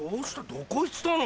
どこ行ってたの？